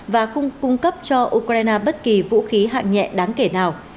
và không cung cấp cho ukraine bất kỳ vũ khí hạng nhẹ đáng kể nào